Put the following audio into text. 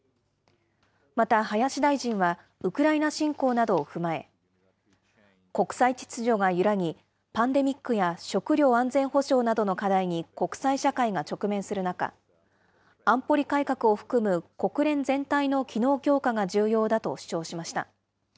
また、林大臣はウクライナ侵攻などを踏まえ、国際秩序が揺らぎ、パンデミックや食料安全保障などの課題に国際社会が直面する中、安保理改革を含む国連全体の機能強化が重要だと主張しました。